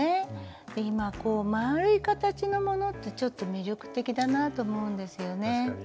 今丸い形のものってちょっと魅力的だなって思うんですよね。